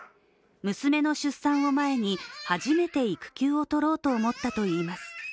娘の出産を前に初めて育休を取ろうと思ったといいます。